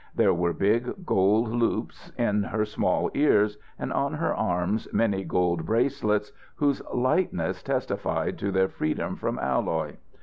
There were big gold loops in her small ears, and on her arms, many gold bracelets, whose lightness testified to their freedom from alloy.